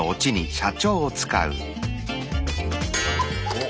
おっ。